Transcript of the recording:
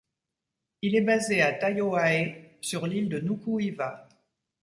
Il est basé à Taiohae, sur l'île de Nuku Hiva.